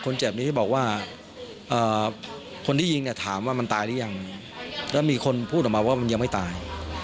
แล้วมีคนพูดออกมาว่ามันยังไม่ตาย